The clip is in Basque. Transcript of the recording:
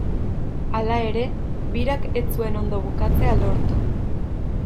Hala ere, birak ez zuen ondo bukatzea lortu.